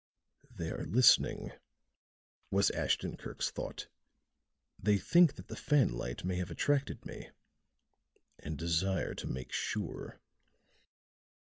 "They are listening," was Ashton Kirk's thought. "They think that the fanlight may have attracted me, and desire to make sure."